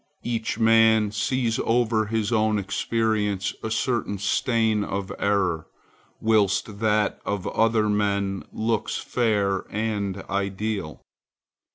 Each man sees over his own experience a certain stain of error, whilst that of other men looks fair and ideal.